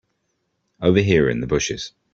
Over here in the bushes.